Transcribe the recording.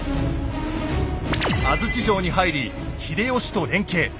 安土城に入り秀吉と連携。